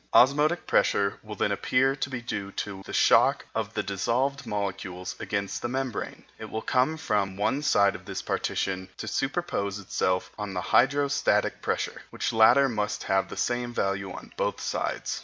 Osmotic pressure will then appear to be due to the shock of the dissolved molecules against the membrane. It will come from one side of this partition to superpose itself on the hydrostatic pressure, which latter must have the same value on both sides.